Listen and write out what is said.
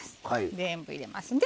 全部入れますね。